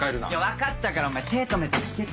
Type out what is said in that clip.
分かったからお前手止めて聞けって。